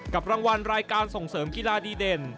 รางวัลรายการส่งเสริมกีฬาดีเด่น